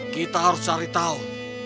kita harus cari tahu